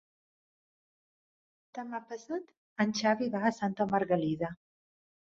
Demà passat en Xavi va a Santa Margalida.